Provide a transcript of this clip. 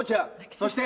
そして。